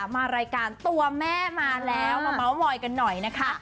มารายการตัวแม่มาแล้วมาเมาส์มอยกันหน่อยนะคะ